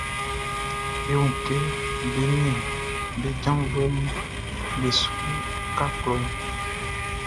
E wun kɛ be nin be janvuɛʼn be su uka klɔʼn.